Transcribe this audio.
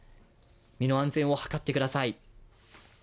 身の安全を図ってください。